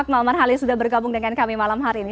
malmar halil sudah berkabung dengan kami malam hari ini